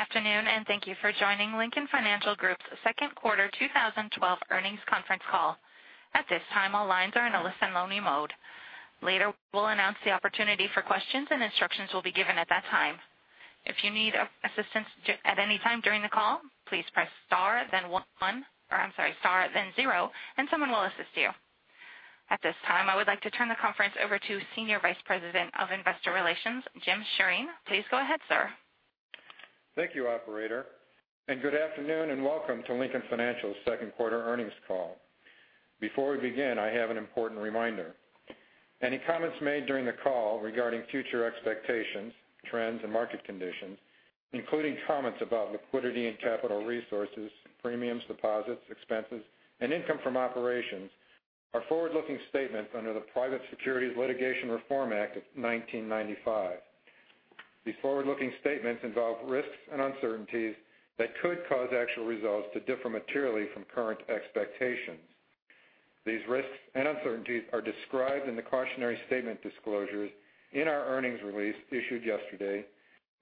Good afternoon, and thank you for joining Lincoln Financial Group's Second Quarter 2012 Earnings Conference Call. At this time, all lines are in a listen-only mode. Later, we'll announce the opportunity for questions, and instructions will be given at that time. If you need assistance at any time during the call, please press star then zero, and someone will assist you. At this time, I would like to turn the conference over to Senior Vice President of Investor Relations, Jim Sjoreen. Please go ahead, sir. Thank you, operator, and good afternoon, and welcome to Lincoln Financial's second quarter earnings call. Before we begin, I have an important reminder. Any comments made during the call regarding future expectations, trends and market conditions, including comments about liquidity and capital resources, premiums, deposits, expenses, and income from operations, are forward-looking statements under the Private Securities Litigation Reform Act of 1995. These forward-looking statements involve risks and uncertainties that could cause actual results to differ materially from current expectations. These risks and uncertainties are described in the cautionary statement disclosures in our earnings release issued yesterday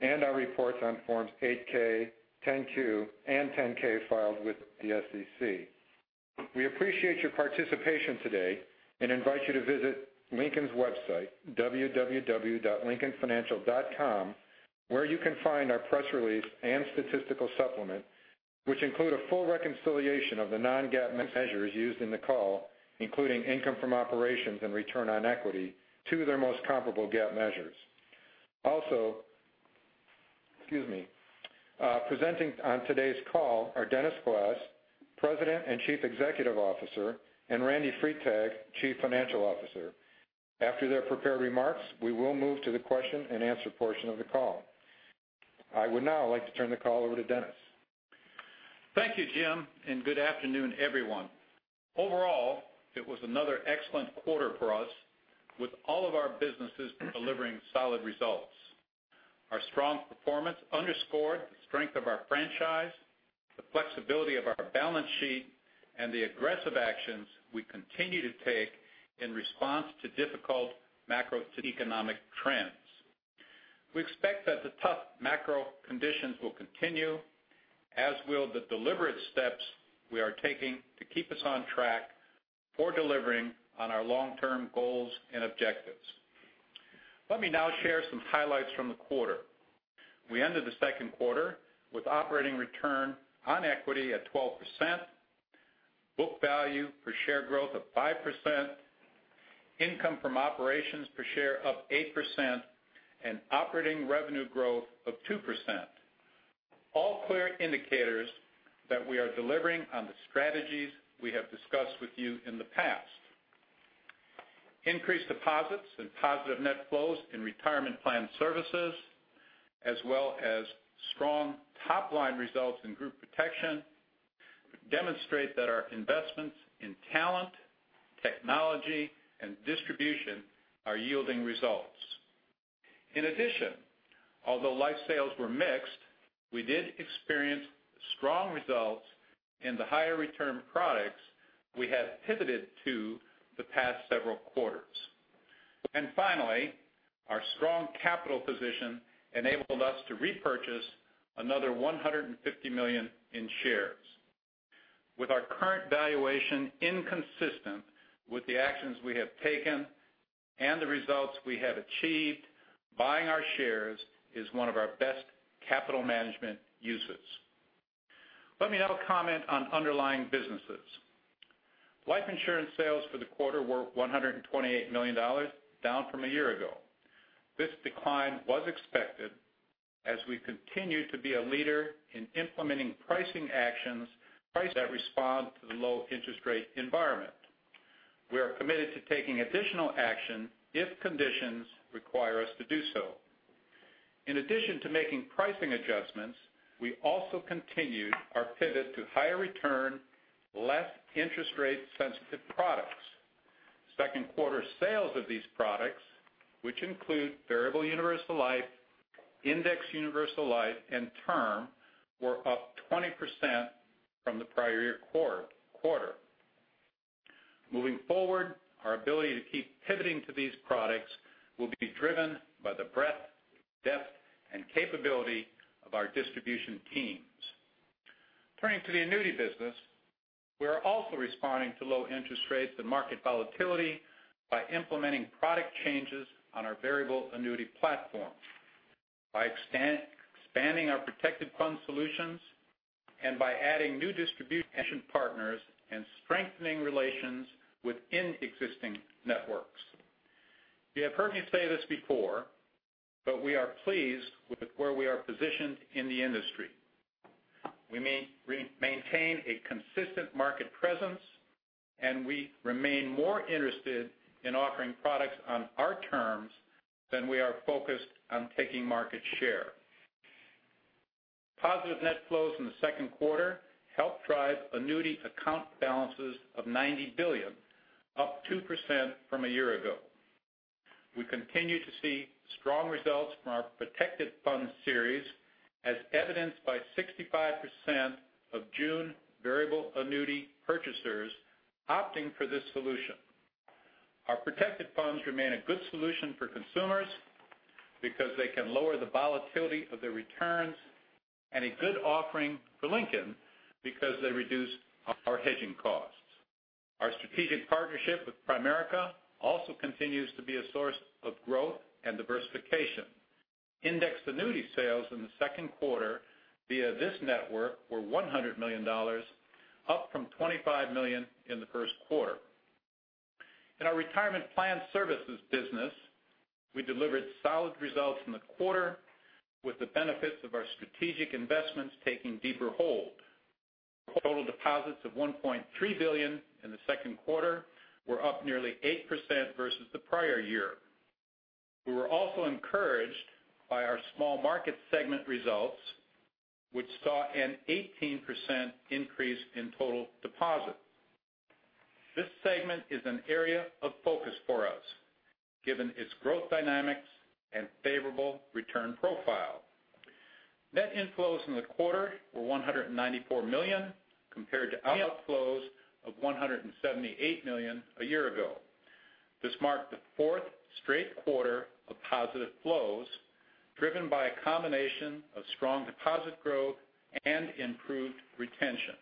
and our reports on Forms 8-K, 10-Q, and 10-K filed with the SEC. We appreciate your participation today and invite you to visit Lincoln's website, www.lincolnfinancial.com, where you can find our press release and statistical supplement, which include a full reconciliation of the non-GAAP measures used in the call, including income from operations and return on equity, to their most comparable GAAP measures. Also, presenting on today's call are Dennis Glass, President and Chief Executive Officer, and Randy Freitag, Chief Financial Officer. After their prepared remarks, we will move to the question and answer portion of the call. I would now like to turn the call over to Dennis. Thank you, Jim, and good afternoon, everyone. Overall, it was another excellent quarter for us, with all of our businesses delivering solid results. Our strong performance underscored the strength of our franchise, the flexibility of our balance sheet, and the aggressive actions we continue to take in response to difficult macroeconomic trends. We expect that the tough macro conditions will continue, as will the deliberate steps we are taking to keep us on track for delivering on our long-term goals and objectives. Let me now share some highlights from the quarter. We ended the second quarter with operating return on equity at 12%, book value per share growth of 5%, income from operations per share up 8%, and operating revenue growth of 2%. All clear indicators that we are delivering on the strategies we have discussed with you in the past. Increased deposits and positive net flows in retirement plan services, as well as strong top-line results in group protection, demonstrate that our investments in talent, technology, and distribution are yielding results. Although life sales were mixed, we did experience strong results in the higher-return products we have pivoted to the past several quarters. Our strong capital position enabled us to repurchase another $150 million in shares. With our current valuation inconsistent with the actions we have taken and the results we have achieved, buying our shares is one of our best capital management uses. Let me now comment on underlying businesses. Life insurance sales for the quarter were $128 million, down from a year ago. This decline was expected as we continue to be a leader in implementing pricing actions that respond to the low interest rate environment. We are committed to taking additional action if conditions require us to do so. To making pricing adjustments, we also continued our pivot to higher return, less interest rate sensitive products. Second quarter sales of these products, which include Variable Universal Life, Indexed Universal Life, and Term, were up 20% from the prior year quarter. Moving forward, our ability to keep pivoting to these products will be driven by the breadth, depth, and capability of our distribution teams. Turning to the annuity business, we are also responding to low interest rates and market volatility by implementing product changes on our Variable Annuity platform, by expanding our Protected Fund solutions, and by adding new distribution partners and strengthening relations within existing networks. You have heard me say this before, we are pleased with where we are positioned in the industry. We maintain a consistent market presence, we remain more interested in offering products on our terms than we are focused on taking market share. Positive net flows in the second quarter helped drive annuity account balances of $90 billion, up 2% from a year ago. We continue to see strong results from our Protected Fund Series, as evidenced by 65% of June Variable Annuity purchasers opting for this solution. Our Protected Funds remain a good solution for consumers because they can lower the volatility of their returns and a good offering for Lincoln because they reduce our hedging costs. Our strategic partnership with Primerica also continues to be a source of growth and diversification. Indexed Annuity sales in the second quarter via this network were $100 million, up from $25 million in the first quarter. In our retirement plan services business, we delivered solid results in the quarter with the benefits of our strategic investments taking deeper hold. Total deposits of $1.3 billion in the second quarter were up nearly 8% versus the prior year. We were also encouraged by our small market segment results, which saw an 18% increase in total deposits. This segment is an area of focus for us, given its growth dynamics and favorable return profile. Net inflows in the quarter were $194 million compared to outflows of $178 million a year ago. This marked the fourth straight quarter of positive flows, driven by a combination of strong deposit growth and improved retention.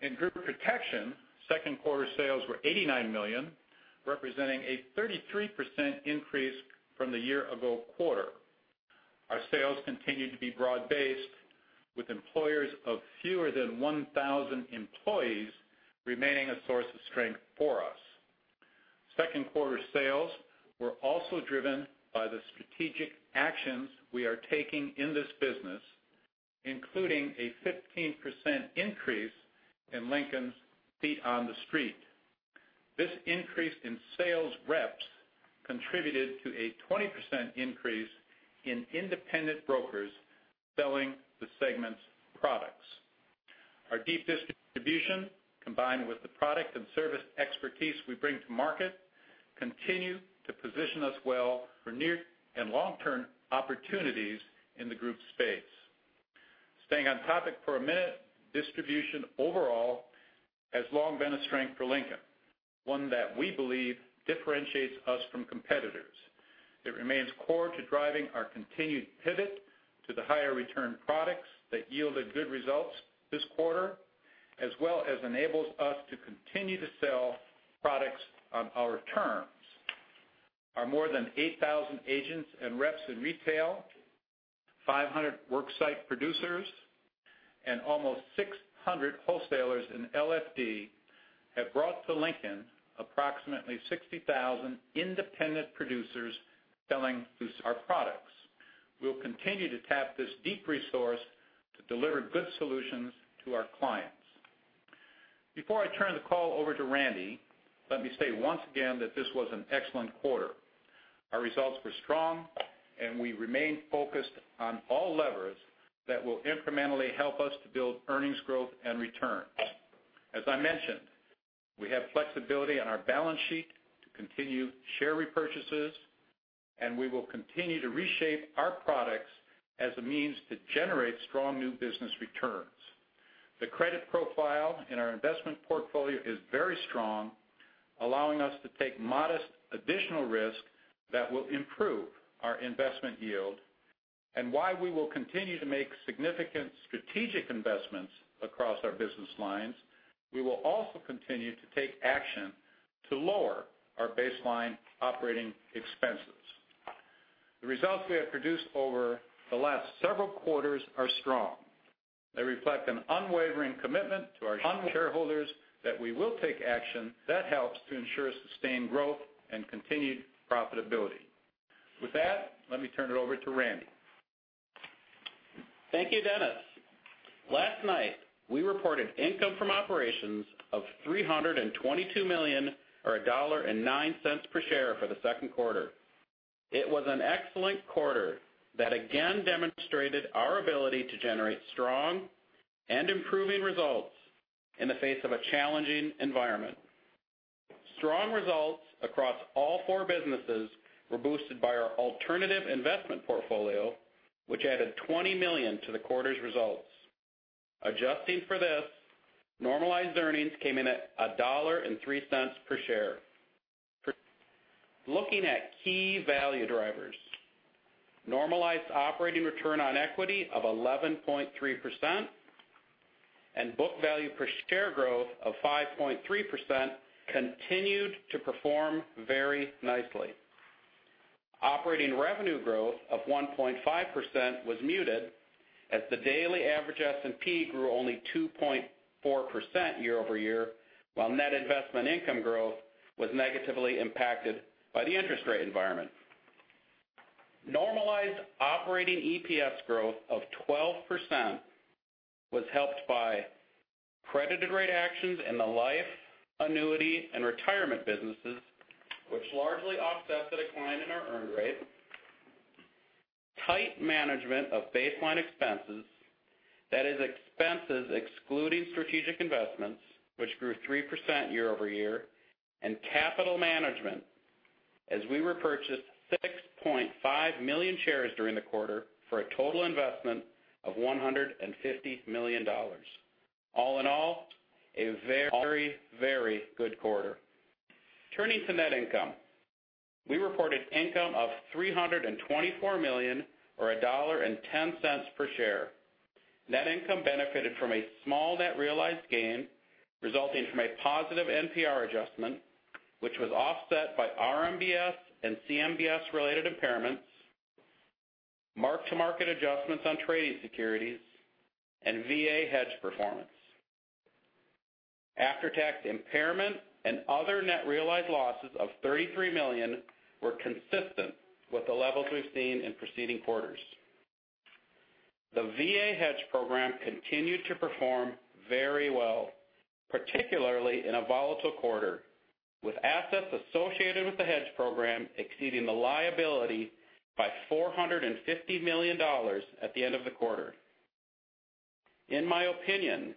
In group protection, second quarter sales were $89 million, representing a 33% increase from the year ago quarter. Our sales continued to be broad-based, with employers of fewer than 1,000 employees remaining a source of strength for us. Second quarter sales were also driven by the strategic actions we are taking in this business, including a 15% increase in Lincoln's feet on the street. This increase in sales reps contributed to a 20% increase in independent brokers selling the segment's products. Our deep distribution, combined with the product and service expertise we bring to market, continue to position us well for near and long-term opportunities in the group space. Staying on topic for a minute, distribution overall has long been a strength for Lincoln, one that we believe differentiates us from competitors. It remains core to driving our continued pivot to the higher return products that yielded good results this quarter, as well as enables us to continue to sell products on our terms. Our more than 8,000 agents and reps in retail, 500 worksite producers, and almost 600 wholesalers in LFD have brought to Lincoln approximately 60,000 independent producers selling our products. We'll continue to tap this deep resource to deliver good solutions to our clients. Before I turn the call over to Randy, let me say once again that this was an excellent quarter. Our results were strong and we remain focused on all levers that will incrementally help us to build earnings growth and returns. As I mentioned, we have flexibility on our balance sheet to continue share repurchases, and we will continue to reshape our products as a means to generate strong new business returns. The credit profile in our investment portfolio is very strong, allowing us to take modest additional risk that will improve our investment yield. While we will continue to make significant strategic investments across our business lines, we will also continue to take action to lower our baseline operating expenses. The results we have produced over the last several quarters are strong. They reflect an unwavering commitment to our shareholders that we will take action that helps to ensure sustained growth and continued profitability. With that, let me turn it over to Randy. Thank you, Dennis. Last night, we reported income from operations of $322 million or $1.09 per share for the second quarter. It was an excellent quarter that again demonstrated our ability to generate strong and improving results in the face of a challenging environment. Strong results across all four businesses were boosted by our alternative investment portfolio, which added $20 million to the quarter's results. Adjusting for this, normalized earnings came in at $1.03 per share. Looking at key value drivers, normalized operating return on equity of 11.3% and book value per share growth of 5.3% continued to perform very nicely. Operating revenue growth of 1.5% was muted as the daily average S&P grew only 2.4% year-over-year, while net investment income growth was negatively impacted by the interest rate environment. Normalized operating EPS growth of 12% was helped by credited rate actions in the life annuity and retirement businesses, which largely offset the decline in our earn rate, tight management of baseline expenses, that is expenses excluding strategic investments, which grew 3% year-over-year, and capital management, as we repurchased 6.5 million shares during the quarter for a total investment of $150 million. All in all, a very, very good quarter. Turning to net income, we reported income of $324 million or $1.10 per share. Net income benefited from a small net realized gain resulting from a positive NPR adjustment, which was offset by RMBS and CMBS related impairments, mark-to-market adjustments on trading securities, and VA hedge performance. After-tax impairment and other net realized losses of $33 million were consistent with the levels we've seen in preceding quarters. The VA hedge program continued to perform very well, particularly in a volatile quarter, with assets associated with the hedge program exceeding the liability by $450 million at the end of the quarter. In my opinion,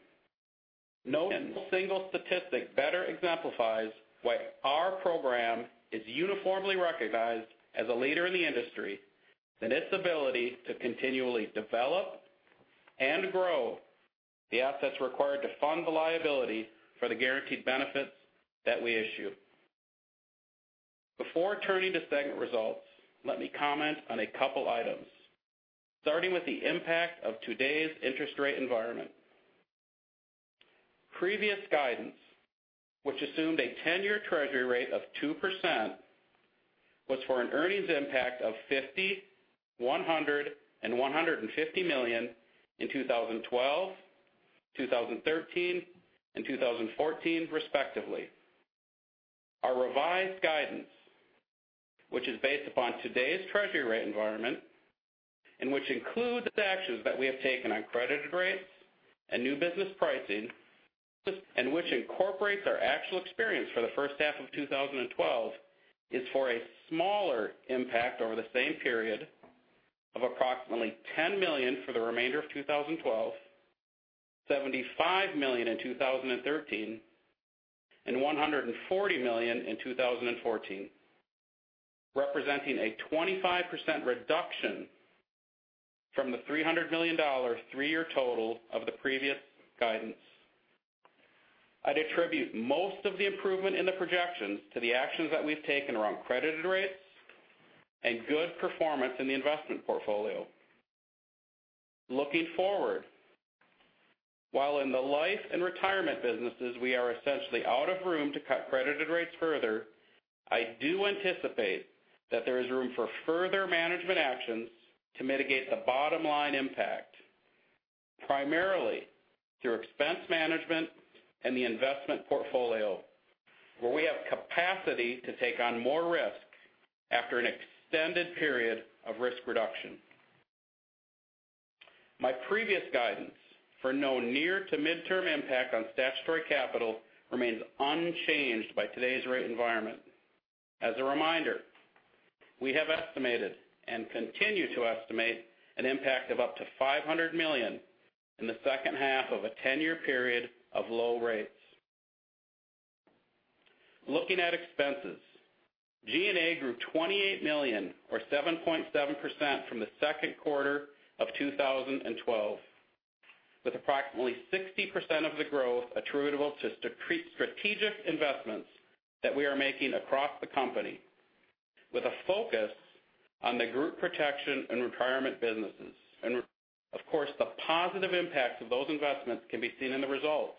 no single statistic better exemplifies why our program is uniformly recognized as a leader in the industry than its ability to continually develop and grow the assets required to fund the liability for the guaranteed benefits that we issue. Before turning to segment results, let me comment on a couple of items, starting with the impact of today's interest rate environment. Previous guidance, which assumed a 10-year Treasury rate of 2%, was for an earnings impact of $50 million, $100 million, and $150 million in 2012, 2013, and 2014, respectively. Our revised guidance, which is based upon today's Treasury rate environment and which includes actions that we have taken on credited rates and new business pricing, and which incorporates our actual experience for the first half of 2012, is for a smaller impact over the same period of approximately $10 million for the remainder of 2012, $75 million in 2013, and $140 million in 2014, representing a 25% reduction from the $300 million three-year total of the previous guidance. I'd attribute most of the improvement in the projections to the actions that we've taken around credited rates and good performance in the investment portfolio. Looking forward, while in the life and retirement businesses we are essentially out of room to cut credited rates further, I do anticipate that there is room for further management actions to mitigate the bottom-line impact, primarily through expense management and the investment portfolio, where we have capacity to take on more risk after an extended period of risk reduction. My previous guidance for no near to midterm impact on statutory capital remains unchanged by today's rate environment. As a reminder, we have estimated and continue to estimate an impact of up to $500 million in the second half of a 10-year period of low rates. Looking at expenses, G&A grew $28 million or 7.7% from the second quarter of 2012, with approximately 60% of the growth attributable to strategic investments that we are making across the company, with a focus on the group protection and retirement businesses. The positive impacts of those investments can be seen in the results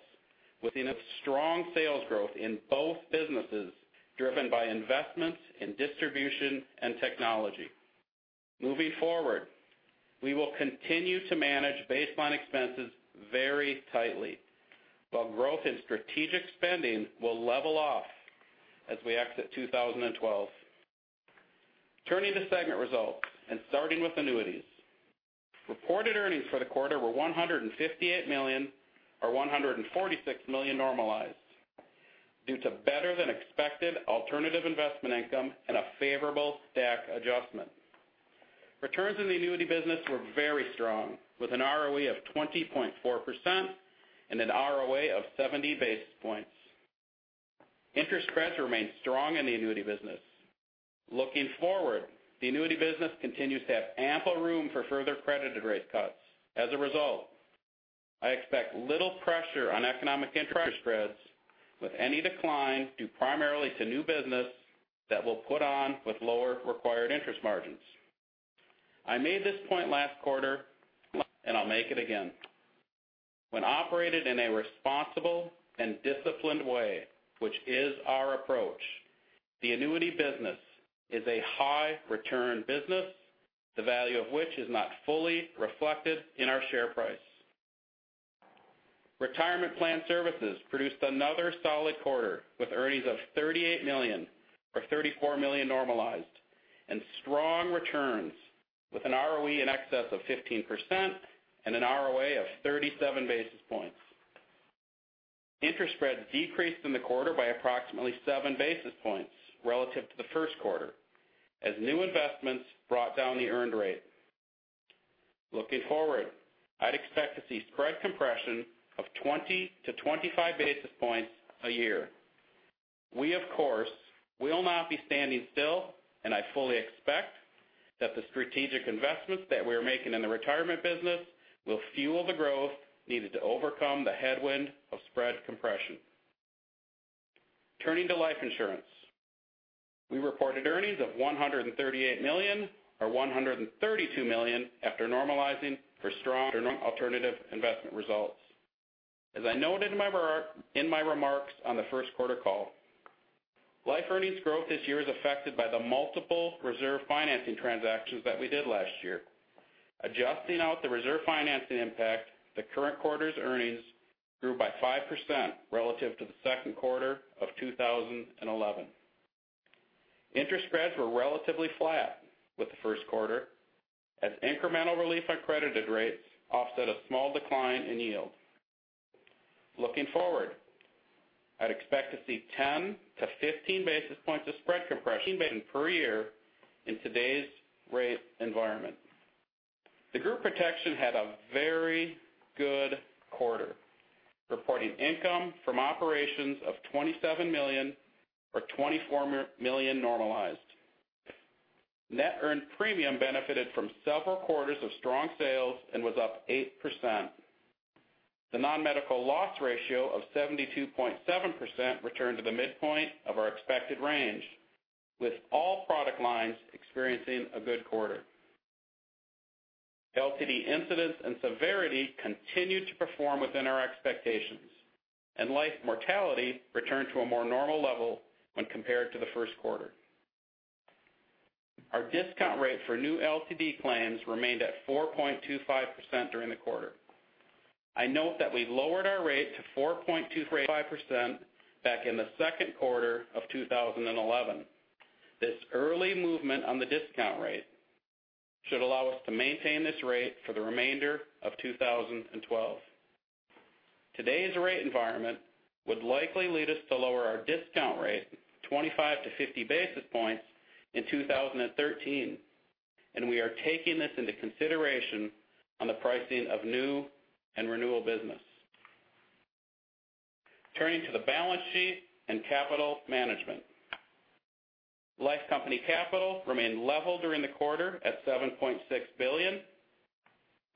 with strong sales growth in both businesses, driven by investments in distribution and technology. Moving forward, we will continue to manage baseline expenses very tightly, while growth in strategic spending will level off as we exit 2012. Turning to segment results and starting with annuities. Reported earnings for the quarter were $158 million or $146 million normalized due to better than expected alternative investment income and a favorable DAC adjustment. Returns in the annuity business were very strong, with an ROE of 20.4% and an ROA of 70 basis points. Interest spreads remained strong in the annuity business. Looking forward, the annuity business continues to have ample room for further credited rate cuts. As a result, I expect little pressure on economic interest spreads with any decline due primarily to new business that will put on with lower required interest margins. I made this point last quarter, and I'll make it again. When operated in a responsible and disciplined way, which is our approach, the annuity business is a high return business, the value of which is not fully reflected in our share price. Retirement plan services produced another solid quarter with earnings of $38 million or $34 million normalized and strong returns with an ROE in excess of 15% and an ROA of 37 basis points. Interest spreads decreased in the quarter by approximately seven basis points relative to the first quarter as new investments brought down the earned rate. Looking forward, I'd expect to see spread compression of 20 to 25 basis points a year. We, of course, will not be standing still, and I fully expect that the strategic investments that we're making in the retirement business will fuel the growth needed to overcome the headwind of spread compression. Turning to life insurance, we reported earnings of $138 million, or $132 million after normalizing for strong alternative investment results. As I noted in my remarks on the first quarter call, life earnings growth this year is affected by the multiple reserve financing transactions that we did last year. Adjusting out the reserve financing impact, the current quarter's earnings grew by 5% relative to the second quarter of 2011. Interest spreads were relatively flat with the first quarter as incremental relief on credited rates offset a small decline in yield. Looking forward, I'd expect to see 10 to 15 basis points of spread compression per year in today's rate environment. Group Protection had a very good quarter, reporting income from operations of $27 million or $24 million normalized. Net earned premium benefited from several quarters of strong sales and was up 8%. The non-medical loss ratio of 72.7% returned to the midpoint of our expected range, with all product lines experiencing a good quarter. LTD incidence and severity continued to perform within our expectations, and life mortality returned to a more normal level when compared to the first quarter. Our discount rate for new LTD claims remained at 4.25% during the quarter. I note that we've lowered our rate to 4.25% back in the second quarter of 2011. This early movement on the discount rate should allow us to maintain this rate for the remainder of 2012. Today's rate environment would likely lead us to lower our discount rate 25 to 50 basis points in 2013. We are taking this into consideration on the pricing of new and renewal business. Turning to the balance sheet and capital management. Life company capital remained level during the quarter at $7.6 billion.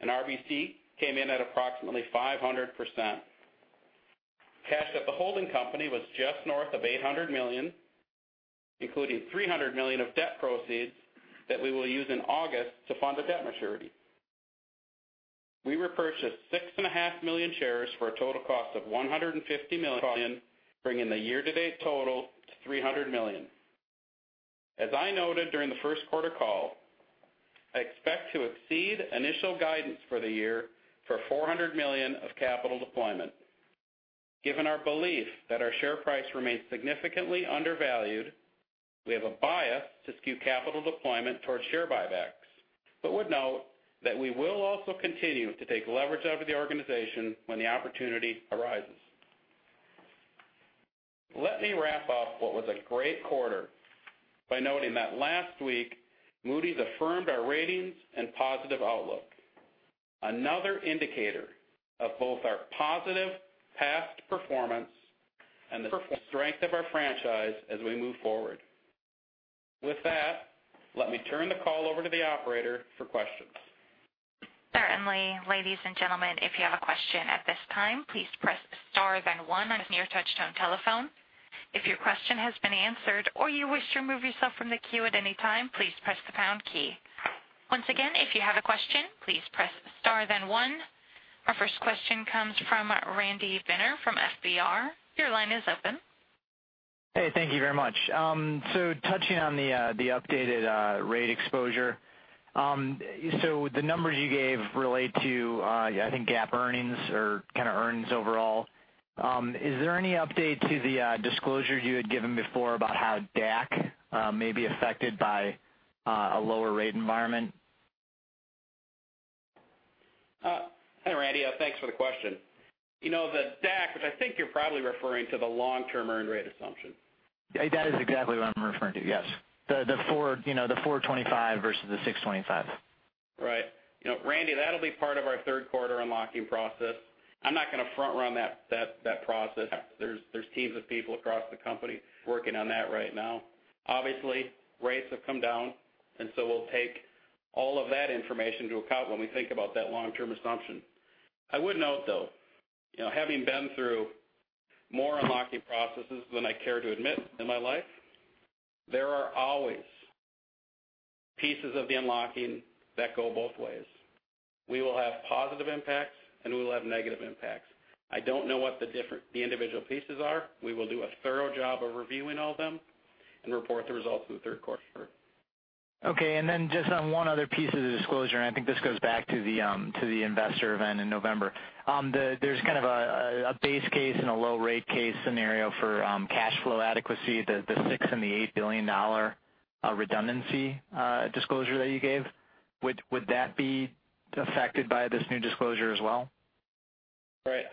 RBC came in at approximately 500%. Cash at the holding company was just north of $800 million, including $300 million of debt proceeds that we will use in August to fund a debt maturity. We repurchased six and a half million shares for a total cost of $150 million, bringing the year-to-date total to $300 million. As I noted during the first quarter call, I expect to exceed initial guidance for the year for $400 million of capital deployment. Given our belief that our share price remains significantly undervalued, we have a bias to skew capital deployment towards share buybacks. We would note that we will also continue to take leverage over the organization when the opportunity arises. Let me wrap up what was a great quarter by noting that last week, Moody's affirmed our ratings and positive outlook, another indicator of both our positive past performance and the strength of our franchise as we move forward. With that, let me turn the call over to the operator for questions. Certainly. Ladies and gentlemen, if you have a question at this time, please press star then one on your touchtone telephone. If your question has been answered or you wish to remove yourself from the queue at any time, please press the pound key. Once again, if you have a question, please press star then one. Our first question comes from Randy Binner from FBR. Your line is open. Hey, thank you very much. Touching on the updated rate exposure. The numbers you gave relate to, I think, GAAP earnings or kind of earnings overall. Is there any update to the disclosure you had given before about how DAC may be affected by a lower rate environment? Hi, Randy. Thanks for the question. You know, the DAC, which I think you're probably referring to the long-term earned rate assumption. That is exactly what I'm referring to, yes. The 4.25 versus the 6.25. Right. Randy, that'll be part of our third quarter unlocking process. I'm not going to front run that process. There's teams of people across the company working on that right now. Obviously, rates have come down, and so we'll take all of that information into account when we think about that long-term assumption. I would note, though, having been through more unlocking processes than I care to admit in my life, there are always pieces of the unlocking that go both ways. We will have positive impacts, and we will have negative impacts. I don't know what the individual pieces are. We will do a thorough job of reviewing all of them and report the results in the third quarter. Okay, just on one other piece of the disclosure, and I think this goes back to the investor event in November. There's kind of a base case and a low-rate case scenario for cash flow adequacy, the $6 and the $8 billion redundancy disclosure that you gave. Would that be affected by this new disclosure as well? Right.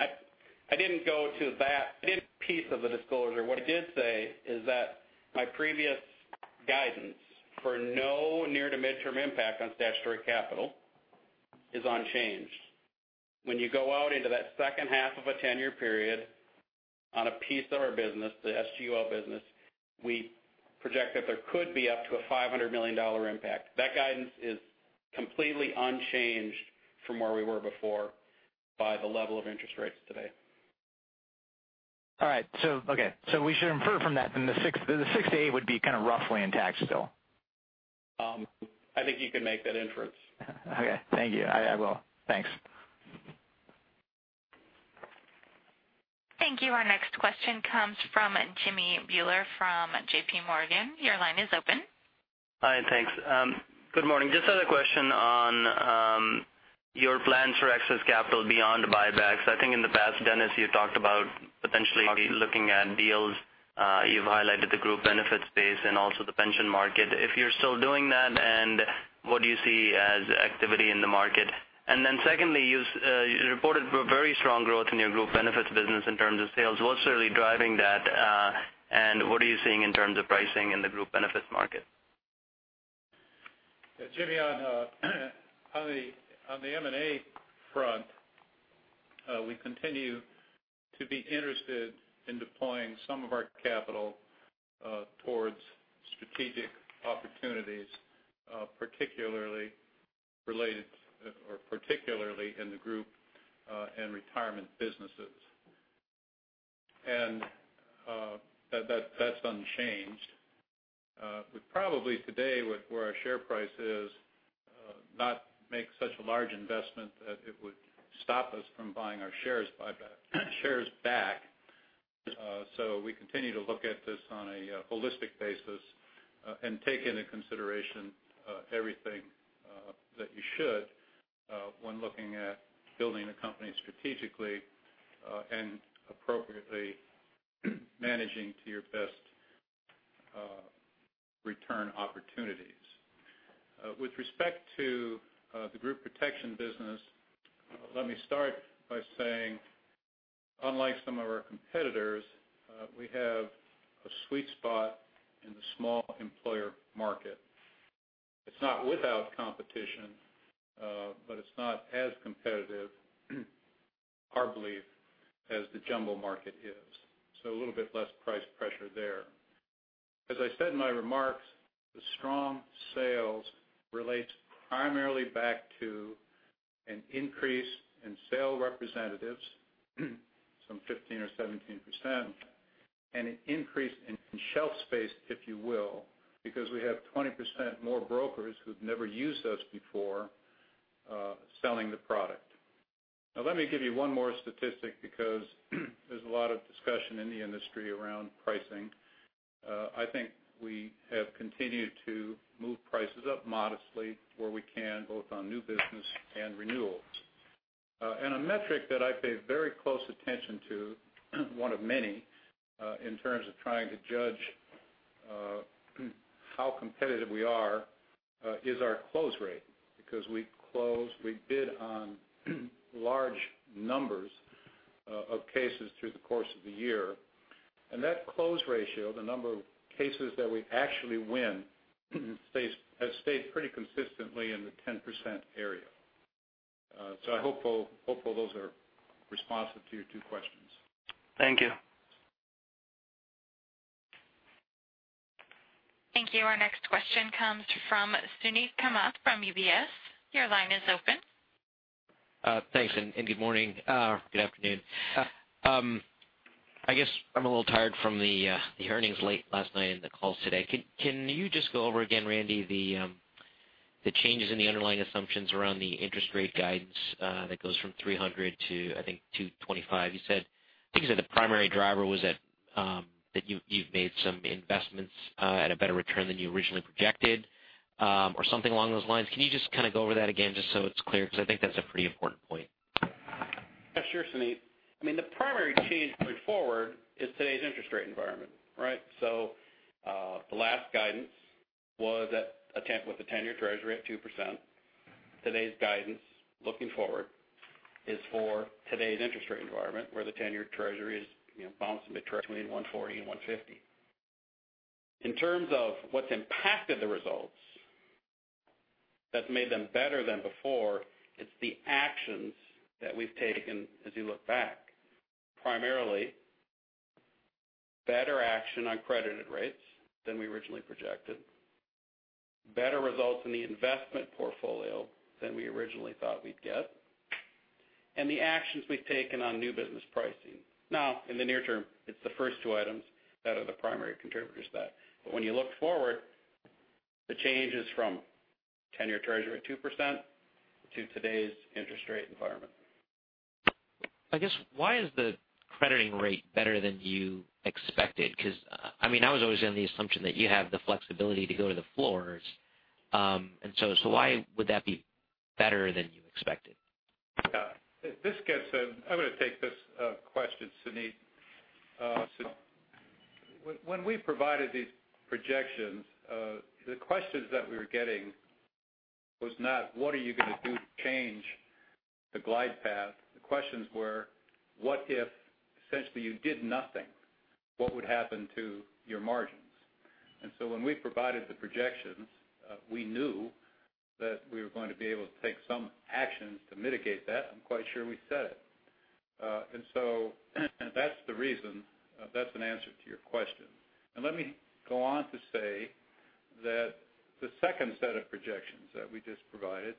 I didn't go to that piece of the disclosure. What I did say is that my previous guidance for no near to midterm impact on statutory capital is unchanged. When you go out into that second half of a 10-year period on a piece of our business, the SGUL business, we project that there could be up to a $500 million impact. That guidance is completely unchanged from where we were before by the level of interest rates today. All right. Okay. We should infer from that then the six to eight would be kind of roughly intact still. I think you can make that inference. Okay. Thank you. I will. Thanks. Thank you. Our next question comes from Jimmy Bhullar from JPMorgan. Your line is open. Hi, thanks. Good morning. Just had a question on your plans for excess capital beyond buybacks. I think in the past, Dennis, you talked about potentially looking at deals. You've highlighted the group benefits space and also the pension market, if you're still doing that, what do you see as activity in the market? Then secondly, you reported very strong growth in your group benefits business in terms of sales. What's really driving that and what are you seeing in terms of pricing in the group benefits market? Yeah, Jimmy, on the M&A front, we continue to be interested in deploying some of our capital towards strategic opportunities, particularly in the group and retirement businesses. That's unchanged. We probably today, with where our share price is, not make such a large investment that it would stop us from buying our shares back. We continue to look at this on a holistic basis and take into consideration everything that you should when looking at building a company strategically and appropriately managing to your best return opportunities. With respect to the group protection business, let me start by saying, unlike some of our competitors, we have a sweet spot in the small employer market. It's not without competition, but it's not as competitive, our belief, as the jumbo market is. A little bit less price pressure there. As I said in my remarks, the strong sales relates primarily back to an increase in sale representatives, some 15% or 17%, and an increase in shelf space, if you will, because we have 20% more brokers who've never used us before selling the product. Now, let me give you one more statistic because there's a lot of discussion in the industry around pricing. I think we have continued to move prices up modestly where we can, both on new business and renewals. A metric that I pay very close attention to, one of many, in terms of trying to judge how competitive we are is our close rate, because we bid on large numbers of cases through the course of the year. That close ratio, the number of cases that we actually win has stayed pretty consistently in the 10% area. I hope those are responsive to your two questions. Thank you. Thank you. Our next question comes from Suneet Kamath from UBS. Your line is open. Thanks, good morning, or good afternoon. I guess I'm a little tired from the earnings late last night and the calls today. Can you just go over again, Randy, the changes in the underlying assumptions around the interest rate guidance that goes from 300 to, I think, 225? I think you said the primary driver was that you've made some investments at a better return than you originally projected, or something along those lines. Can you just kind of go over that again just so it's clear? Because I think that's a pretty important point. Yeah, sure, Suneet. I mean, the primary change going forward is today's interest rate environment, right? The last guidance was with the 10-year Treasury at 2%. Today's guidance, looking forward, is for today's interest rate environment, where the 10-year Treasury is bouncing between 140 and 150. In terms of what's impacted the results that's made them better than before, it's the actions that we've taken as you look back, primarily better action on credited rates than we originally projected, better results in the investment portfolio than we originally thought we'd get, and the actions we've taken on new business pricing. In the near term, it's the first two items that are the primary contributors to that. When you look forward, the change is from 10-year Treasury at 2% to today's interest rate environment. I guess why is the crediting rate better than you expected? Because I was always under the assumption that you have the flexibility to go to the floors. Why would that be better than you expected? Yeah. I'm going to take this question, Suneet. When we provided these projections, the questions that we were getting was not, what are you going to do to change the glide path? The questions were, what if essentially you did nothing? What would happen to your margins? When we provided the projections, we knew that we were going to be able to take some actions to mitigate that. I'm quite sure we said it. That's the reason. That's an answer to your question. Let me go on to say that the second set of projections that we just provided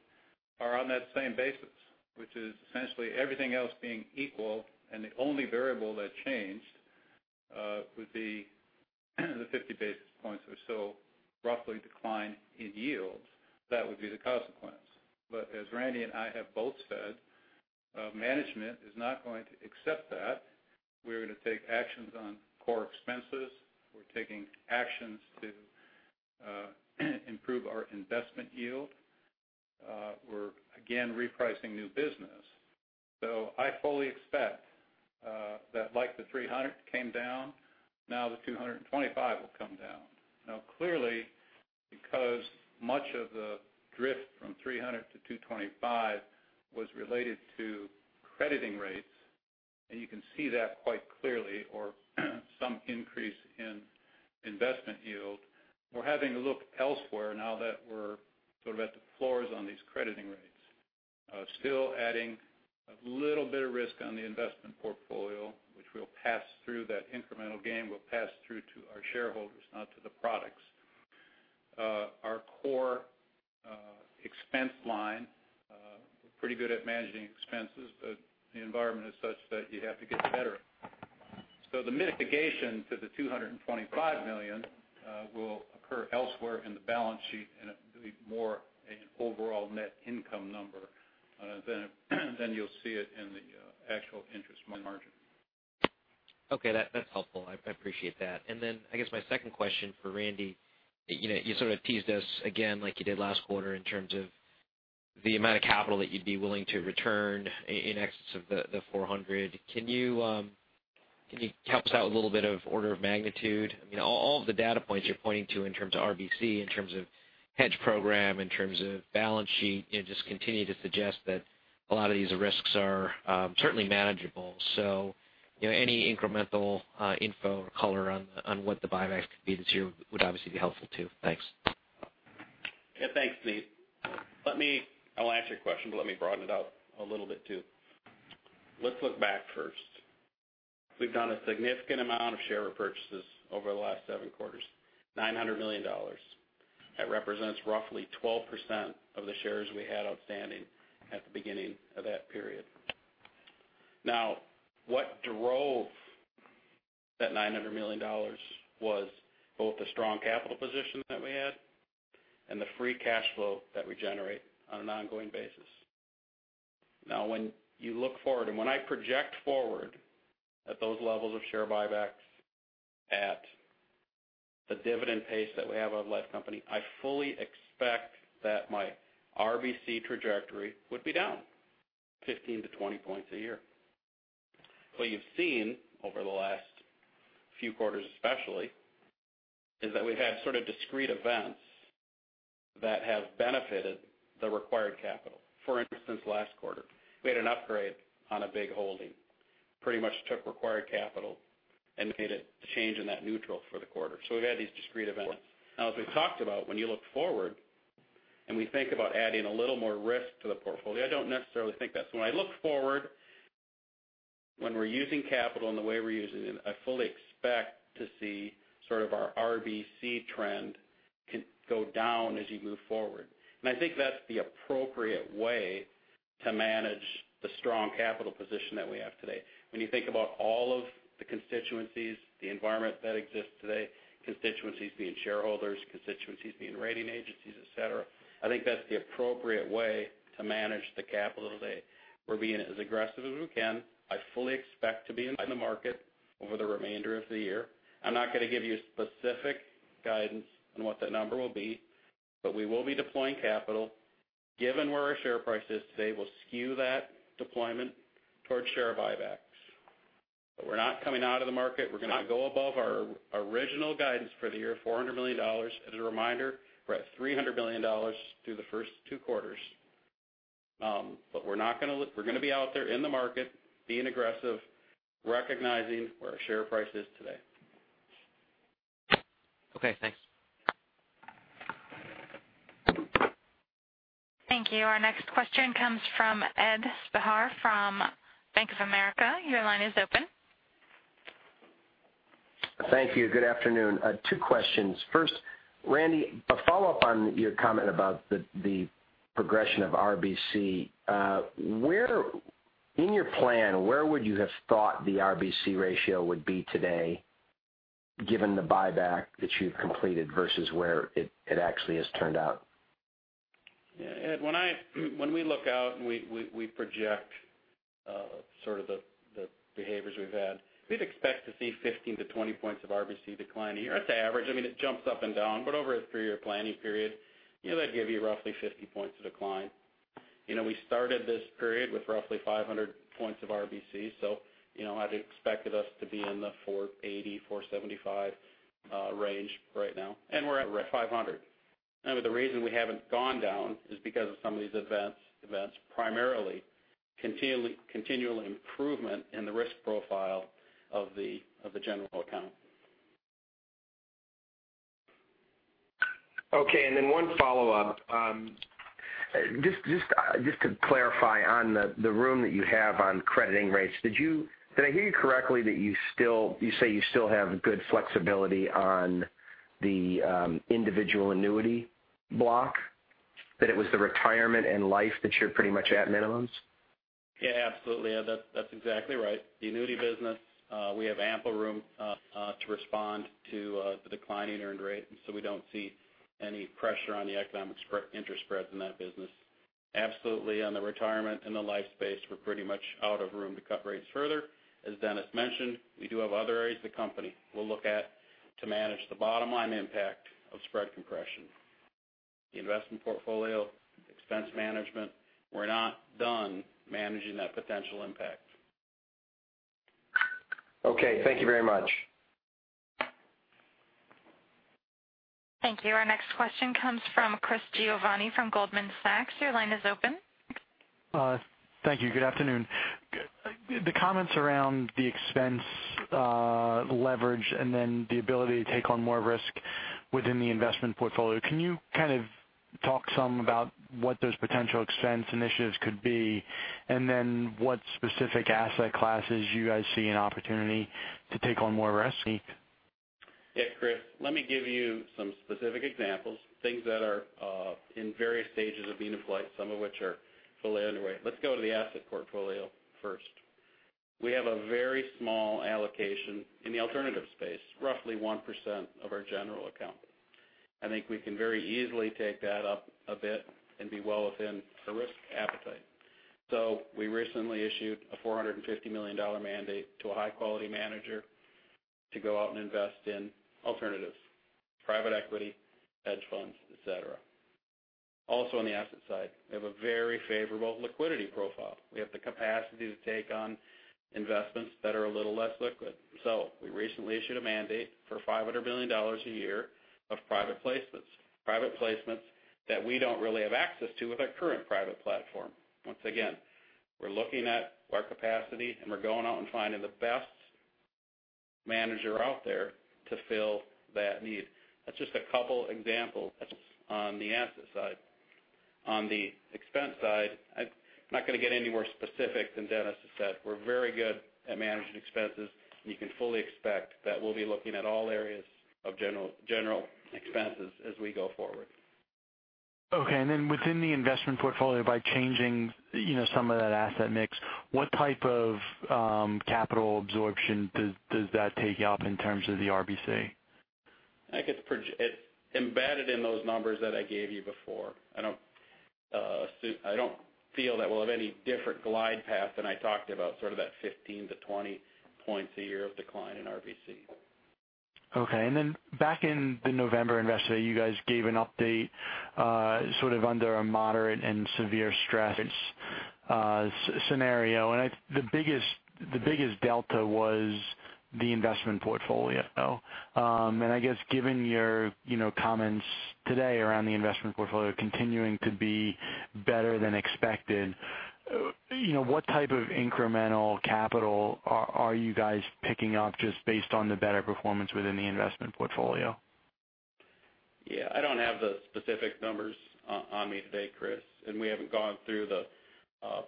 are on that same basis, which is essentially everything else being equal, and the only variable that changed would be the 50 basis points or so roughly decline in yields. That would be the consequence. As Randy and I have both said, management is not going to accept that. We're going to take actions on core expenses. We're taking actions to improve our investment yield. We're again repricing new business. I fully expect that like the 300 came down, the 225 will come down. Clearly, because much of the drift from 300 to 225 was related to crediting rates, and you can see that quite clearly, or some increase in investment yield. We're having to look elsewhere now that we're sort of at the floors on these crediting rates. Still adding a little bit of risk on the investment portfolio, which we'll pass through that incremental gain, we'll pass through to our shareholders, not to the products. Our core expense line, we're pretty good at managing expenses, but the environment is such that you have to get better. The mitigation to the $225 million will occur elsewhere in the balance sheet and it will be more an overall net income number than you will see it in the actual interest margin. Okay. That's helpful. I appreciate that. I guess my question for Randy, you sort of teased us again like you did last quarter in terms of the amount of capital that you would be willing to return in excess of the $400. Can you help us out with a little bit of order of magnitude? All of the data points you are pointing to in terms of RBC, in terms of hedge program, in terms of balance sheet, just continue to suggest that a lot of these risks are certainly manageable. Any incremental info or color on what the buyback could be this year would obviously be helpful too. Thanks. Yeah, thanks, Suneet. I will answer your question, but let me broaden it out a little bit too. Let us look back first. We have done a significant amount of share repurchases over the last seven quarters, $900 million. That represents roughly 12% of the shares we had outstanding at the beginning of that period. What drove that $900 million was both the strong capital position that we had and the free cash flow that we generate on an ongoing basis. When you look forward, when I project forward at those levels of share buybacks at the dividend pace that we have at Life Company, I fully expect that my RBC trajectory would be down 15 to 20 points a year. What you have seen over the last few quarters especially, is that we have had sort of discrete events that have benefited the required capital. For instance, last quarter, we had an upgrade on a big holding. Pretty much took required capital and made a change in that neutral for the quarter. We have had these discrete events. As we talked about, when you look forward and we think about adding a little more risk to the portfolio, when I look forward, when we are using capital in the way we are using it, I fully expect to see sort of our RBC trend can go down as you move forward. I think that is the appropriate way to manage the strong capital position that we have today. When you think about all of the constituencies, the environment that exists today, constituencies being shareholders, constituencies being rating agencies, et cetera. I think that is the appropriate way to manage the capital today. We are being as aggressive as we can. I fully expect to be in the market over the remainder of the year. I'm not going to give you specific guidance on what that number will be, but we will be deploying capital. Given where our share price is today, we'll skew that deployment towards share buybacks. We're not coming out of the market. We're going to go above our original guidance for the year of $400 million. As a reminder, we're at $300 million through the first two quarters. We're going to be out there in the market being aggressive, recognizing where our share price is today. Okay, thanks. Thank you. Our next question comes from Edward Spehar from Bank of America. Your line is open. Thank you. Good afternoon. Two questions. First, Randy, a follow-up on your comment about the progression of RBC. In your plan, where would you have thought the RBC ratio would be today, given the buyback that you've completed versus where it actually has turned out? Yeah, Ed, when we look out and we project sort of the behaviors we've had, we'd expect to see 15-20 points of RBC decline a year. That's average. It jumps up and down, but over a three-year planning period, that'd give you roughly 50 points of decline. We started this period with roughly 500 points of RBC, so I'd expected us to be in the 480-475 range right now, and we're at 500. The reason we haven't gone down is because of some of these events, primarily continual improvement in the risk profile of the general account. Okay. One follow-up. Just to clarify on the room that you have on crediting rates, did I hear you correctly that you say you still have good flexibility on the individual annuity block? That it was the retirement and life that you're pretty much at minimums? Yeah, absolutely. That's exactly right. The annuity business, we have ample room to respond to the declining earned rate, we don't see any pressure on the economic interest spreads in that business. Absolutely, on the retirement and the life space, we're pretty much out of room to cut rates further. As Dennis mentioned, we do have other areas of the company we'll look at to manage the bottom-line impact of spread compression. The investment portfolio, expense management, we're not done managing that potential impact. Okay. Thank you very much. Thank you. Our next question comes from Chris Giovanni from Goldman Sachs. Your line is open. Thank you. Good afternoon. The comments around the expense leverage and then the ability to take on more risk within the investment portfolio, can you kind of talk some about what those potential expense initiatives could be, and then what specific asset classes you guys see an opportunity to take on more risk? Yeah, Chris, let me give you some specific examples, things that are in various stages of being applied, some of which are fully underway. Let's go to the asset portfolio first. We have a very small allocation in the alternative space, roughly 1% of our general account. I think we can very easily take that up a bit and be well within our risk appetite. We recently issued a $450 million mandate to a high-quality manager to go out and invest in alternatives, private equity, hedge funds, et cetera. Also on the asset side, we have a very favorable liquidity profile. We have the capacity to take on investments that are a little less liquid. We recently issued a mandate for $500 million a year of private placements. Private placements that we don't really have access to with our current private platform. Once again, we're looking at our capacity and we're going out and finding the best manager out there to fill that need. That's just a couple examples on the asset side. On the expense side, I'm not going to get any more specific than Dennis has said. We're very good at managing expenses, and you can fully expect that we'll be looking at all areas of general expenses as we go forward. Okay. Within the investment portfolio, by changing some of that asset mix, what type of capital absorption does that take up in terms of the RBC? I think it's embedded in those numbers that I gave you before. I don't feel that we'll have any different glide path than I talked about, sort of that 15-20 points a year of decline in RBC. Okay. Back in the November Investor Day, you guys gave an update sort of under a moderate and severe stress scenario. The biggest delta was the investment portfolio. I guess given your comments today around the investment portfolio continuing to be better than expected, what type of incremental capital are you guys picking up just based on the better performance within the investment portfolio? Yeah, I don't have the specific numbers on me today, Chris. We haven't gone through the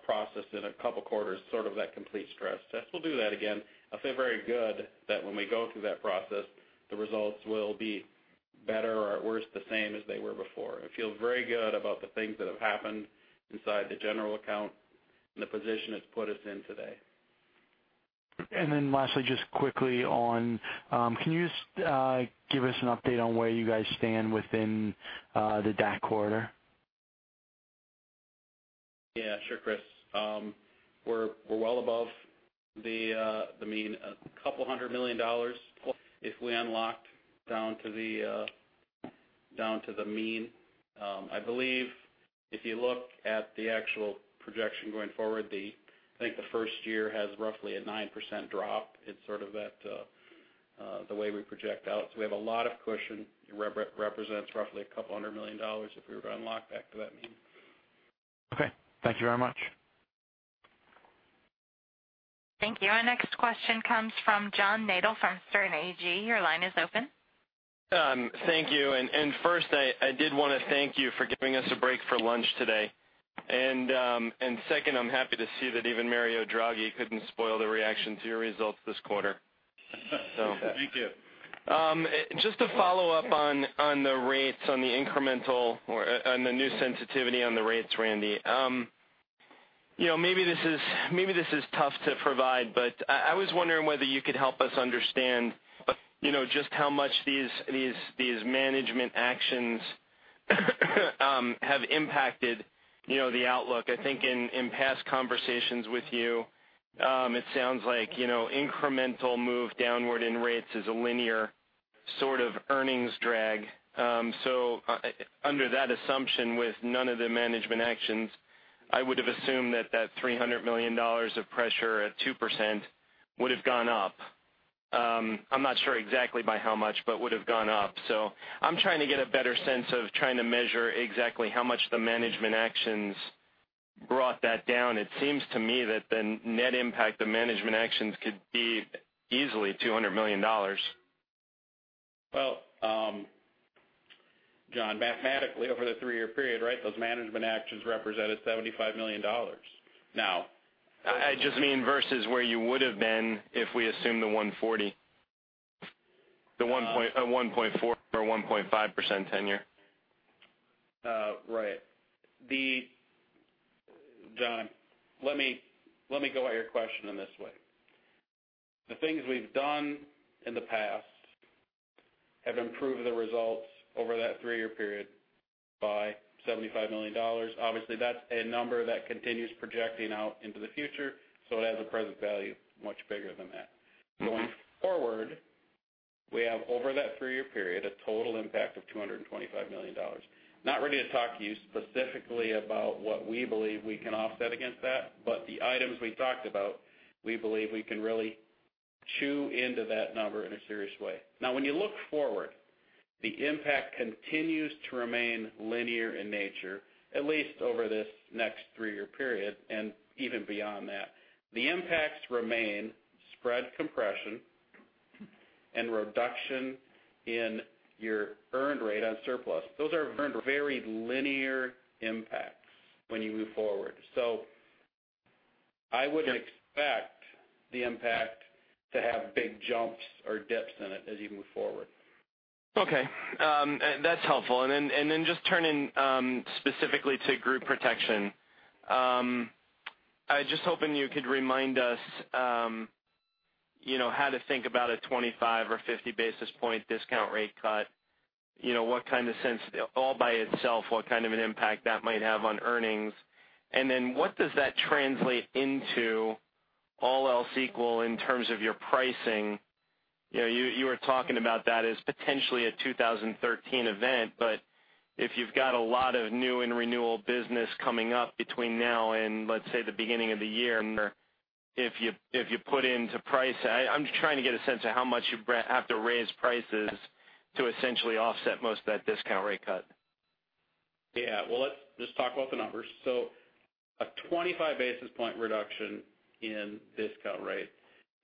process in a couple of quarters, sort of that complete stress test. We'll do that again. I feel very good that when we go through that process, the results will be better or at worst the same as they were before. I feel very good about the things that have happened inside the general account and the position it's put us in today. Lastly, just quickly on, can you just give us an update on where you guys stand within the DAC corridor? Yeah, sure, Chris. We're well above the mean. A couple hundred million dollars if we unlocked down to the mean. I believe if you look at the actual projection going forward, I think the first year has roughly a 9% drop. It's sort of the way we project out. We have a lot of cushion. It represents roughly a couple hundred million dollars if we were to unlock back to that mean. Okay. Thank you very much. Thank you. Our next question comes from John Nadel from Sterne Agee. Your line is open. Thank you. First, I did want to thank you for giving us a break for lunch today. Second, I'm happy to see that even Mario Draghi couldn't spoil the reaction to your results this quarter. Thank you. Just to follow up on the rates on the incremental or on the new sensitivity on the rates, Randy. Maybe this is tough to provide, but I was wondering whether you could help us understand just how much these management actions have impacted the outlook. I think in past conversations with you, it sounds like incremental move downward in rates is a linear sort of earnings drag. Under that assumption, with none of the management actions, I would have assumed that that $300 million of pressure at 2% would have gone up. I'm not sure exactly by how much, but would have gone up. I'm trying to get a better sense of trying to measure exactly how much the management actions brought that down. It seems to me that the net impact of management actions could be easily $200 million. Well, John, mathematically, over the three-year period, right, those management actions represented $75 million. I just mean versus where you would have been if we assume the 140, the 1.4% or 1.5% 10-year. Right. John, let me go at your question in this way. The things we've done in the past have improved the results over that three-year period by $75 million. Obviously, that's a number that continues projecting out into the future, so it has a present value much bigger than that. Going forward, we have over that three-year period, a total impact of $225 million. Not ready to talk to you specifically about what we believe we can offset against that, but the items we talked about, we believe we can really chew into that number in a serious way. When you look forward, the impact continues to remain linear in nature, at least over this next three-year period, and even beyond that. The impacts remain spread compression and reduction in your earned rate on surplus. Those are very linear impacts when you move forward. I wouldn't expect the impact to have big jumps or dips in it as you move forward. Okay. That's helpful. Just turning specifically to group protection. I was just hoping you could remind us how to think about a 25 or 50 basis point discount rate cut. All by itself, what kind of an impact that might have on earnings? What does that translate into, all else equal, in terms of your pricing? You were talking about that as potentially a 2013 event, but if you've got a lot of new and renewal business coming up between now and, let's say, the beginning of the year, if you put into price, I'm just trying to get a sense of how much you have to raise prices to essentially offset most of that discount rate cut. Well, let's just talk about the numbers. A 25-basis point reduction in discount rate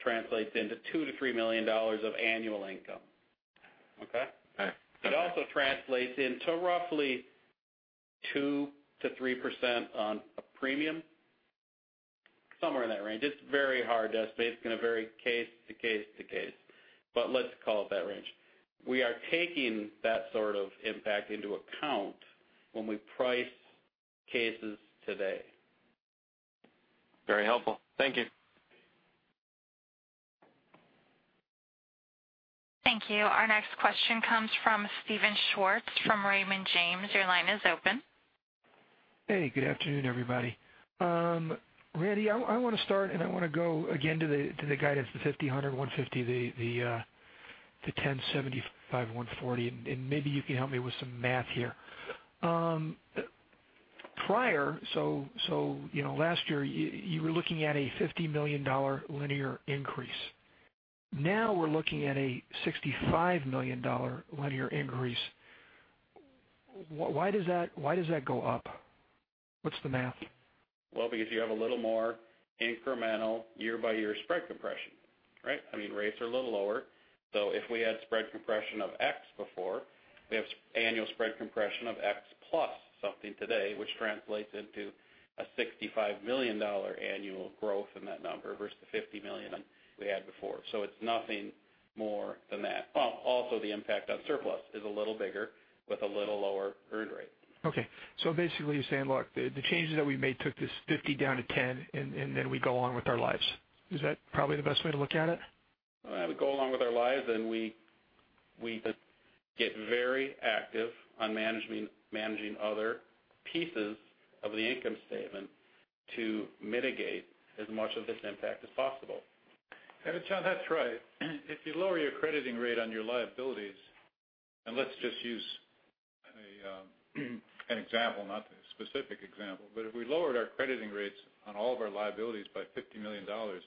translates into $2 million to $3 million of annual income. Okay? Okay. It also translates into roughly 2% to 3% on a premium, somewhere in that range. It is very hard to estimate. It is going to vary case to case. Let's call it that range. We are taking that sort of impact into account when we price cases today. Very helpful. Thank you. Thank you. Our next question comes from Steven Schwartz from Raymond James. Your line is open. Hey, good afternoon, everybody. Randy, I want to start, I want to go again to the guidance, the $50, $100, $150, the $1,075, $140, and maybe you can help me with some math here. Prior, last year, you were looking at a $50 million linear increase. Now we're looking at a $65 million linear increase. Why does that go up? What's the math? Well, because you have a little more incremental year-by-year spread compression, right? I mean, rates are a little lower. If we had spread compression of X before, we have annual spread compression of X plus something today, which translates into a $65 million annual growth in that number versus the $50 million we had before. It's nothing more than that. Well, also the impact on surplus is a little bigger with a little lower earned rate. Okay. Basically, you're saying, look, the changes that we made took this $50 down to $10, and then we go on with our lives. Is that probably the best way to look at it? We go along with our lives and we get very active on managing other pieces of the income statement to mitigate as much of this impact as possible. John, that's right. If you lower your crediting rate on your liabilities, and let's just use an example, not a specific example, but if we lowered our crediting rates on all of our liabilities by $50 million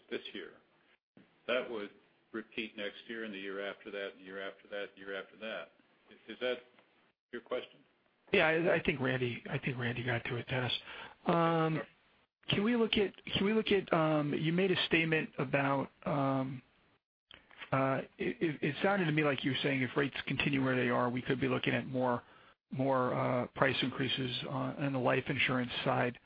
this year, that would repeat next year and the year after that, and the year after that. Is that your question? Yeah, I think Randy got to it, Dennis. Sure. You made a statement about, it sounded to me like you were saying if rates continue where they are, we could be looking at more price increases on the life insurance side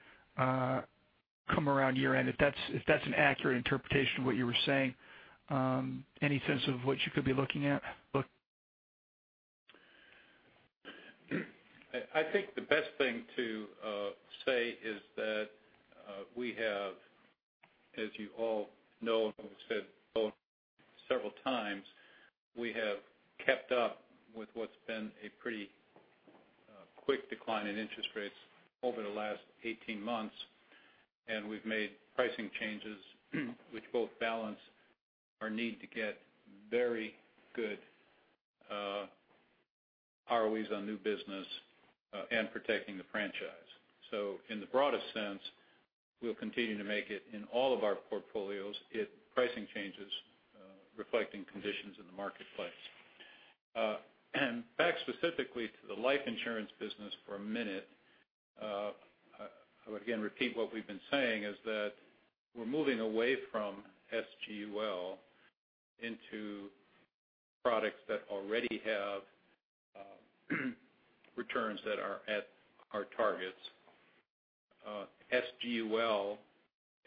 come around year-end. If that's an accurate interpretation of what you were saying, any sense of what you could be looking at? I think the best thing to say is that we have, as you all know, and we've said several times, we have kept up with what's been a pretty quick decline in interest rates over the last 18 months, we've made pricing changes which both balance our need to get very good ROEs on new business and protecting the franchise. In the broadest sense, we'll continue to make it in all of our portfolios, if pricing changes reflecting conditions in the marketplace. Back specifically to the life insurance business for a minute. I would again repeat what we've been saying is that we're moving away from SGUL into products that already have returns that are at our targets. SGUL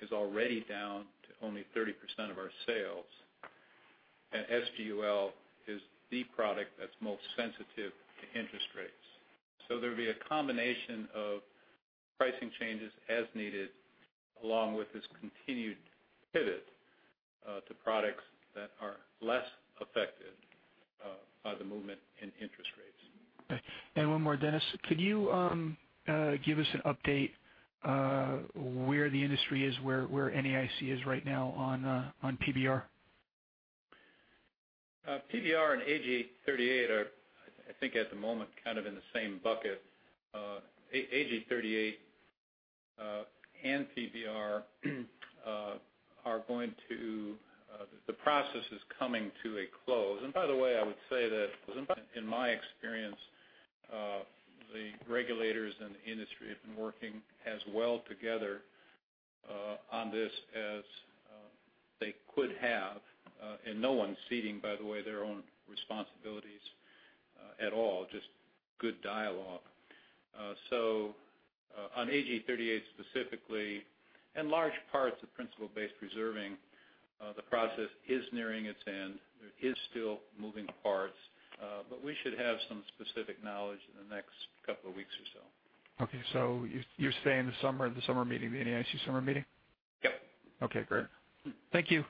is already down to only 30% of our sales, SGUL is the product that's most sensitive to interest rates. There'll be a combination of pricing changes as needed, along with this continued pivot to products that are less affected by the movement in interest rates. Okay. One more, Dennis. Could you give us an update where the industry is, where NAIC is right now on PBR? PBR and AG 38 are, I think, at the moment, kind of in the same bucket. AG 38 and PBR are going to the process is coming to a close. By the way, I would say that in my experience, the regulators and the industry have been working as well together on this as they could have. No one's ceding, by the way, their own responsibilities at all, just good dialogue. On AG 38 specifically, and large parts of principle-based reserving, the process is nearing its end. There is still moving parts. We should have some specific knowledge in the next couple of weeks or so. Okay, you're saying the summer meeting, the NAIC summer meeting? Yep. Okay, great. Thank you.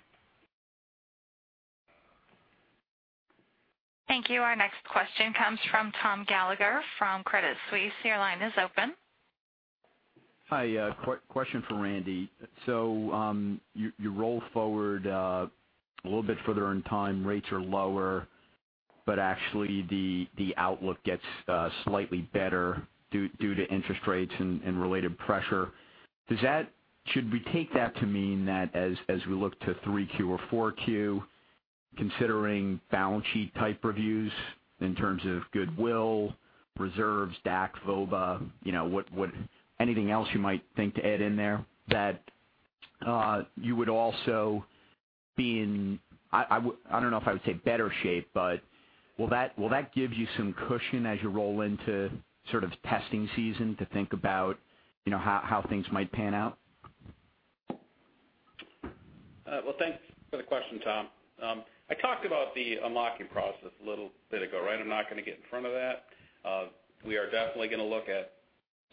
Thank you. Our next question comes from Tom Gallagher from Credit Suisse. Your line is open. Hi. Question for Randy. You roll forward a little bit further in time, rates are lower, but actually the outlook gets slightly better due to interest rates and related pressure. Should we take that to mean that as we look to 3Q or 4Q, considering balance sheet-type reviews in terms of goodwill, reserves, DAC, VOBA, anything else you might think to add in there that you would also be in, I don't know if I would say better shape. Will that give you some cushion as you roll into sort of testing season to think about how things might pan out? Well, thanks for the question, Tom. I talked about the unlocking process a little bit ago. I'm not going to get in front of that. We are definitely going to look at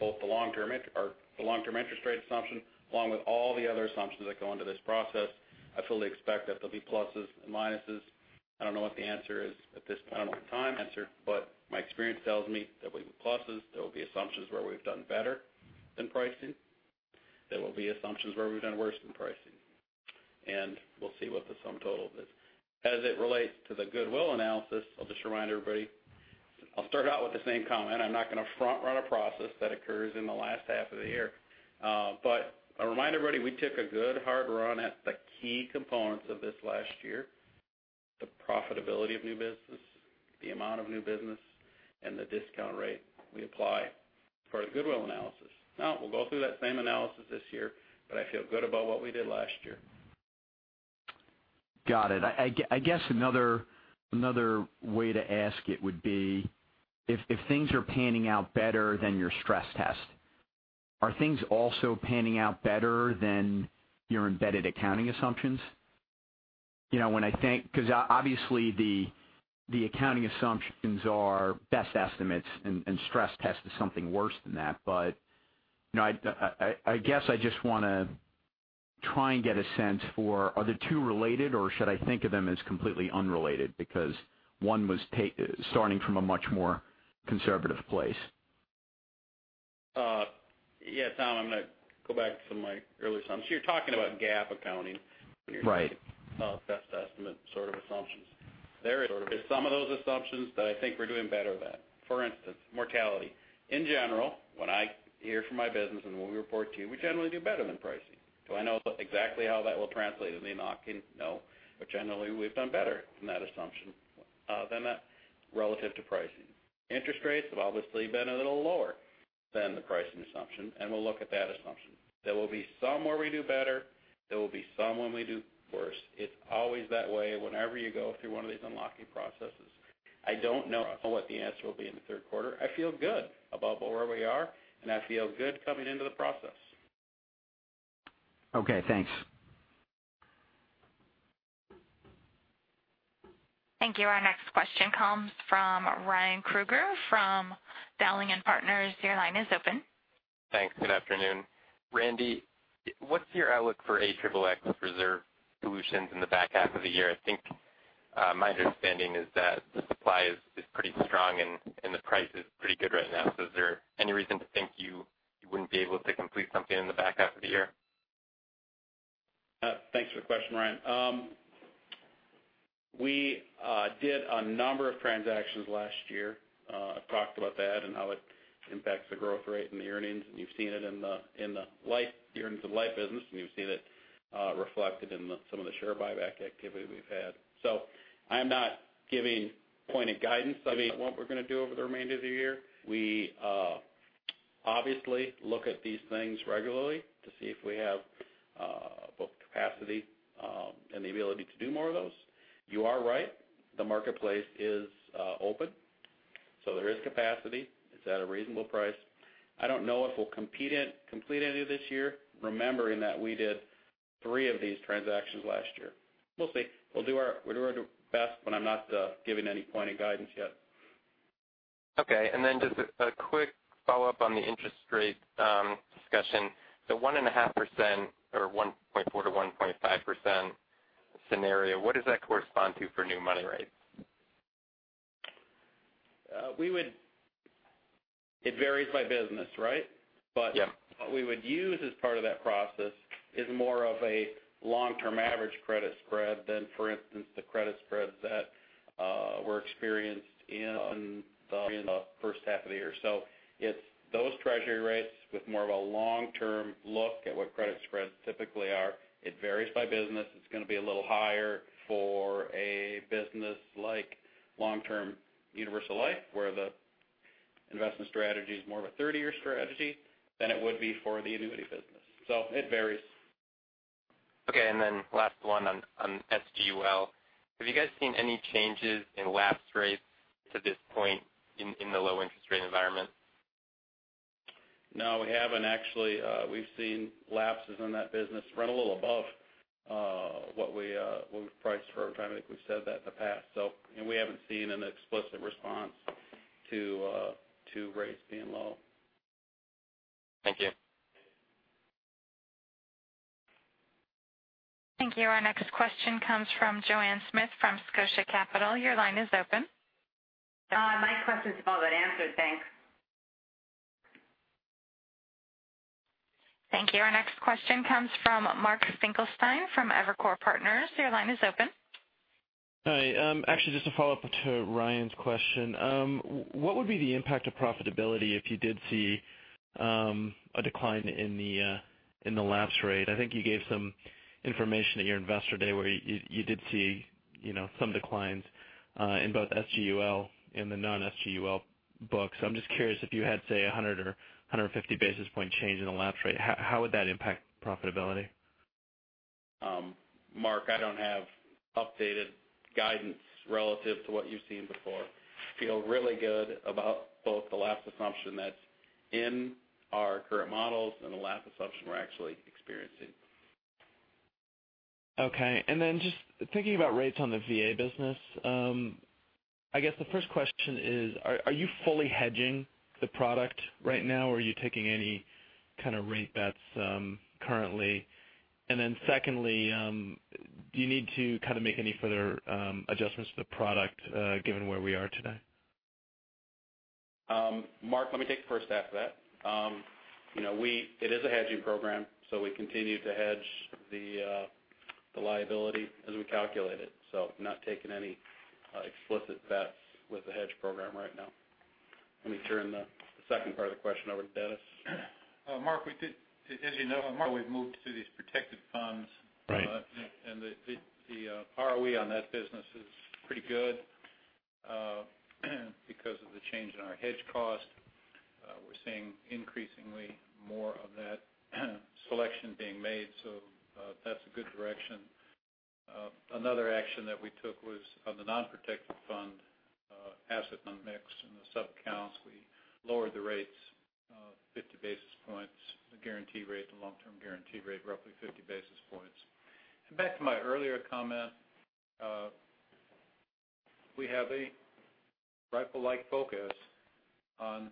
both the long-term interest rate assumption along with all the other assumptions that go into this process. I fully expect that there'll be pluses and minuses. I don't know what the answer is at this point in time. My experience tells me there will be pluses, there will be assumptions where we've done better than pricing. There will be assumptions where we've done worse than pricing. We'll see what the sum total is. As it relates to the goodwill analysis, I'll just remind everybody, I'll start out with the same comment. I'm not going to front-run a process that occurs in the last half of the year. I remind everybody, we took a good hard run at the key components of this last year, the profitability of new business, the amount of new business, and the discount rate we apply for the goodwill analysis. We'll go through that same analysis this year, but I feel good about what we did last year. Got it. I guess another way to ask it would be if things are panning out better than your stress test, are things also panning out better than your embedded accounting assumptions? Obviously the accounting assumptions are best estimates, and stress test is something worse than that. I guess I just want to try and get a sense for, are the two related, or should I think of them as completely unrelated? One was starting from a much more conservative place. Yeah, Tom, I'm going to go back to some of my earlier assumptions. You're talking about GAAP accounting. Right Best estimate sort of assumptions. There is some of those assumptions that I think we're doing better than. For instance, mortality. In general, when I hear from my business and when we report to you, we generally do better than pricing. Do I know exactly how that will translate into the unlocking? No. Generally, we've done better than that relative to pricing. Interest rates have obviously been a little lower than the pricing assumption, and we'll look at that assumption. There will be some where we do better, there will be some when we do worse. It's always that way whenever you go through one of these unlocking processes. I don't know what the answer will be in the third quarter. I feel good about where we are, and I feel good coming into the process. Okay, thanks. Thank you. Our next question comes from Ryan Krueger from Dowling & Partners. Your line is open. Thanks. Good afternoon. Randy, what's your outlook for XXX reserve solutions in the back half of the year? I think my understanding is that the supply is pretty strong and the price is pretty good right now. Is there any reason to think you wouldn't be able to complete something in the back half of the year? Thanks for the question, Ryan. We did a number of transactions last year. I've talked about that and how it impacts the growth rate and the earnings, and you've seen it in the life earnings of life business, and you've seen it reflected in some of the share buyback activity we've had. I'm not giving pointed guidance. I mean, what we're going to do over the remainder of the year, we obviously look at these things regularly to see if we have both capacity and the ability to do more of those. You are right, the marketplace is open, there is capacity. It's at a reasonable price. I don't know if we'll complete any this year, remembering that we did three of these transactions last year. We'll see. We'll do our best, I'm not giving any pointed guidance yet. Okay, just a quick follow-up on the interest rate discussion. The 1.5% or 1.4%-1.5% scenario, what does that correspond to for new money rates? It varies by business, right? Yeah. What we would use as part of that process is more of a long-term average credit spread than, for instance, the credit spreads that were experienced in the first half of the year. It's those Treasury rates with more of a long-term look at what credit spreads typically are. It varies by business. It's going to be a little higher for a business like long-term universal life, where the investment strategy is more of a 30-year strategy than it would be for the annuity business. It varies. Okay, last one on SGUL. Have you guys seen any changes in lapse rates to this point in the low interest rate environment? No, we haven't. Actually, we've seen lapses in that business run a little above what we price for. I think we've said that in the past. We haven't seen an explicit response to rates being low. Thank you. Thank you. Our next question comes from Joanne Smith from Scotia Capital. Your line is open. My question's about that answered. Thanks. Thank you. Our next question comes from Mark Finkelstein from Evercore Partners. Your line is open. Hi. Actually, just a follow-up to Ryan's question. What would be the impact of profitability if you did see a decline in the lapse rate? I think you gave some information at your investor day where you did see some declines in both SGUL and the non-SGUL books. I'm just curious if you had, say, 100 or 150 basis point change in the lapse rate, how would that impact profitability? Mark, I don't have updated guidance relative to what you've seen before. Feel really good about both the lapse assumption that's in our current models and the lapse assumption we're actually experiencing. Okay. Just thinking about rates on the VA business. I guess the first question is, are you fully hedging the product right now, or are you taking any kind of rate bets currently? Secondly, do you need to kind of make any further adjustments to the product given where we are today? Mark, let me take the first half of that. It is a hedging program, so we continue to hedge the liability as we calculate it. Not taking any explicit bets with the hedge program right now. Let me turn the second part of the question over to Dennis. Mark, as you know, we've moved to these protected funds. Right. The ROE on that business is pretty good because of the change in our hedge cost. We're seeing increasingly more of that selection being made, so that's a good direction. Another action that we took was on the non-protected fund asset on mix in the sub-accounts. We lowered the rates 50 basis points, the guarantee rate, the long-term guarantee rate, roughly 50 basis points. Back to my earlier comment, we have a rifle-like focus on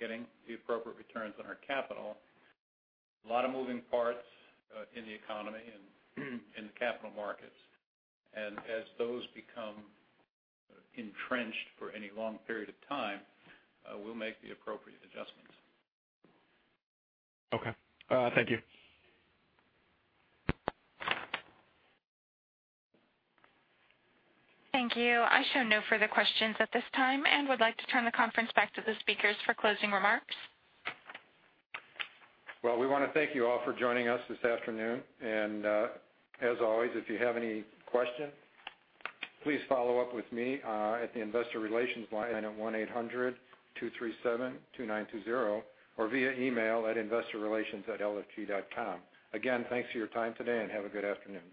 getting the appropriate returns on our capital. A lot of moving parts in the economy and in the capital markets. As those become entrenched for any long period of time, we'll make the appropriate adjustments. Okay. Thank you. Thank you. I show no further questions at this time and would like to turn the conference back to the speakers for closing remarks. Well, we want to thank you all for joining us this afternoon. As always, if you have any questions, please follow up with me at the investor relations line at 1-800-237-2920, or via email at investorrelations@lfg.com. Again, thanks for your time today and have a good afternoon.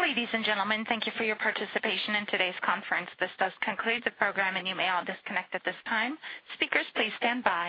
Ladies and gentlemen, thank you for your participation in today's conference. This does conclude the program and you may all disconnect at this time. Speakers, please stand by.